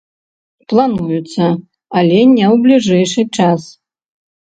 Плануецца, але не ў бліжэйшы час.